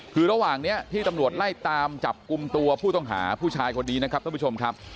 คือระหว่างนี้ที่ตำรวจไล่ตามจับกลุ่มตัวผู้ต้องหาผู้ชายคนนี้นะครับท่านผู้ชมครับ